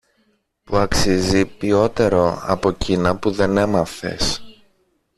που αξίζει πιότερο από κείνα που δεν έμαθες.